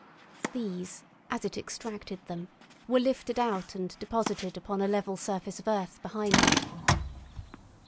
These, as it extracted them, were lifted out and deposited upon a level surface of earth behind it.